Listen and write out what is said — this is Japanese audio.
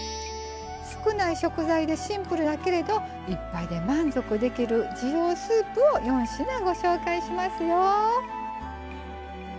少ない食材でシンプルだけれど一杯で満足できる滋養スープを４品ご紹介しますよ！